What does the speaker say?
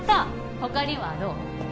他にはどう？